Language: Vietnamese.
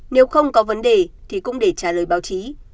nếu không có vấn đề thì cũng để trả lời báo chí